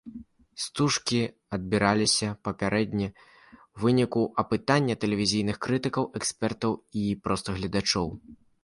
Стужкі адбіраліся папярэдне ў выніку апытання тэлевізійных крытыкаў, экспертаў і проста гледачоў.